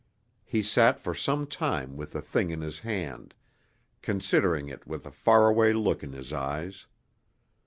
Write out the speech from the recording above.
He sat for some time with the thing in his hand, considering it with a far away look in his eyes.